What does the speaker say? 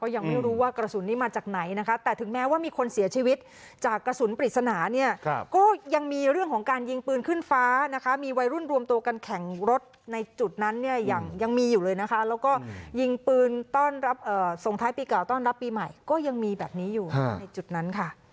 อยากจะให้ออกมารับผิดชอบเรื่องแบบนี้ด้วย